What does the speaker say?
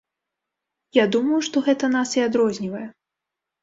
Я думаю, што гэта нас і адрознівае.